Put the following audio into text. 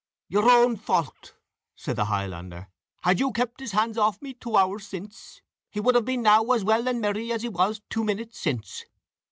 "Your own fault," said the Highlander. "Had you kept his hands off me twa hours since, he would have been now as well and merry as he was twa minutes since."